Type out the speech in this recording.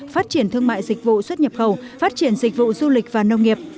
phát triển thương mại dịch vụ xuất nhập khẩu phát triển dịch vụ du lịch và nông nghiệp